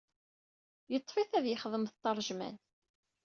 Teṭṭef-it ad yexdem d atrejman.